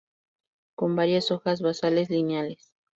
Con varias hojas basales; lineales.